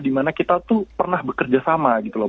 dimana kita tuh pernah bekerja sama gitu loh